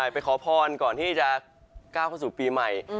ไปขอพรก่อนที่จะก้าวเข้าสู่ปีใหม่